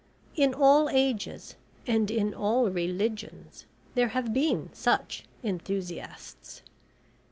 In all ages and in all religions there have been such enthusiasts.